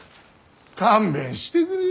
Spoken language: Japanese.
勘弁してくれ。